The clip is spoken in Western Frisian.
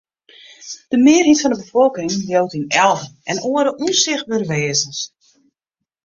De mearheid fan de befolking leaut yn elven en oare ûnsichtbere wêzens.